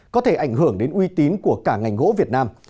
có thể ảnh hưởng đến uy tín của cả ngành gỗ việt nam